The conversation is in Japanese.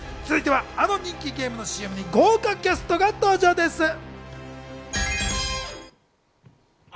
続いては、あの人気ゲームのＣＭに豪華キャストが登場です。